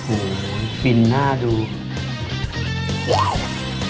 โอ้โฮฟินหน้าดู